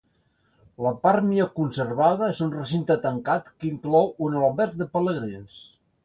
La part millor conservada és un recinte tancat que inclou un alberg de pelegrins.